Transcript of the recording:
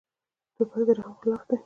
توپک د رحم خلاف دی.